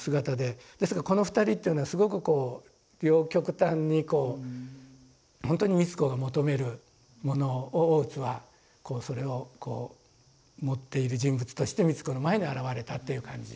ですからこの二人っていうのはすごくこう両極端にこうほんとに美津子が求めるものを大津はそれを持っている人物として美津子の前に現れたっていう感じになっていくのかなと。